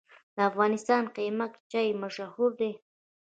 د افغانستان قیماق چای مشهور دی